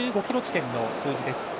１５ｋｍ地点の数字です。